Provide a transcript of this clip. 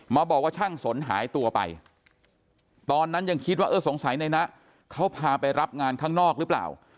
มาบอกว่าช่างสนหายตัวไปตอนนั้นยังคิดว่าเออสงสัยในนะเขาพาไปรับงานข้างนอกหรือเปล่า